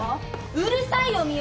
うるさいよ深雪！